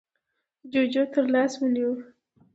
جُوجُو تر لاس ونيو: